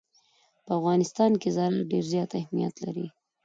په افغانستان کې زراعت ډېر زیات اهمیت لري.